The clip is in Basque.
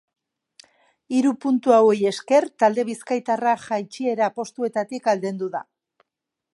Hiru puntu hauei esker, talde bizkaitarra jaitsiera postuetatik aldendu da.